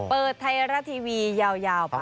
เปิดไทยรัฐทีวียาวไป